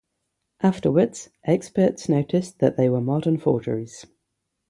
Afterwards experts noticed that they were modern forgeries.